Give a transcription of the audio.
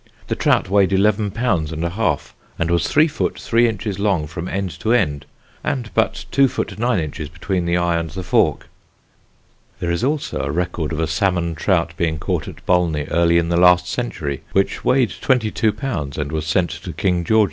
The trout weighed 11 lbs. and 1/2; and was 3 foot 2 inches long from end to end, and but 2 foot 9 inches between ye eye and ye forke." There is also a record of a salmon trout being caught at Bolney early in the last century, which weighed 22lbs. and was sent to King George IV.